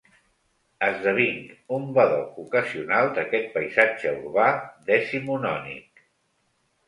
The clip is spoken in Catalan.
Esdevinc un badoc ocasional d'aquest paisatge urbà decimonònic.